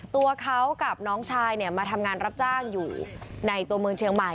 ตัวเขากับน้องชายมาทำงานรับจ้างอยู่ในตัวเมืองเชียงใหม่